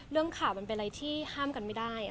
เรื่องข่าวมันเป็นอะไรที่ห้ามกันไม่ได้